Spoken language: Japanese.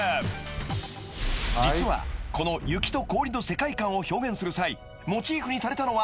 ［実はこの雪と氷の世界観を表現する際モチーフにされたのは］